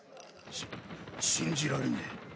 し信じられねぇ。